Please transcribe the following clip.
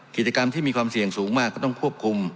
กิจกรรมที่มีความเสี่ยงสูงมากก็ต้องควบคุม